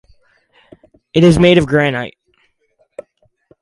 It is made of granite.